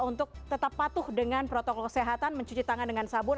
untuk tetap patuh dengan protokol kesehatan mencuci tangan dengan sabun